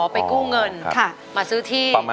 ไปกู้เงินมาซื้อที่